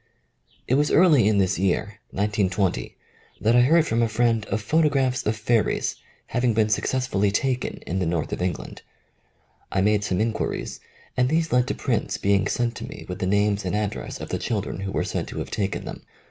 It was early in this year, 1920, that I heard from a friend of photographs of fair ies having been successfully taken in the 45 THE COMING OF THE FAIRIES North of England. I made some inquiries, and these led to prints being sent to me with the names and address of the children who were said to have taken them.